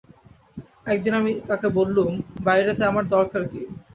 একদিন আমি তাঁকে বললুম, বাইরেতে আমার দরকার কী?